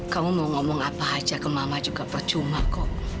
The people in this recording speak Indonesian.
kamu mau ngomong apa aja ke mama juga percuma kok